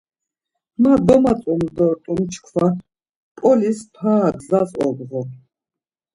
Ma domatzonu dort̆un çkva p̌olis para gzas obğun.